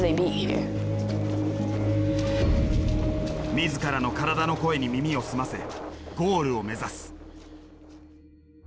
自らの体の声に耳を澄ませゴールを目指す。